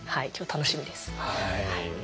今日楽しみです。